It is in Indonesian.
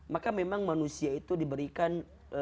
maka memang manusia itu diberikan